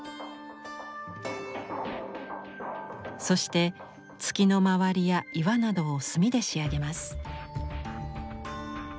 そして月の周りや岩などを墨で仕上げます。